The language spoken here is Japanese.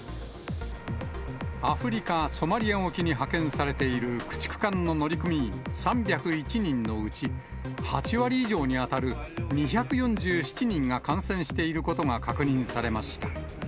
アフリカ・ソマリア沖に派遣されている駆逐艦の乗組員３０１人のうち、８割以上に当たる２４７人が感染していることが確認されました。